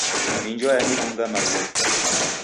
Minjwa yanidunga maghunyi.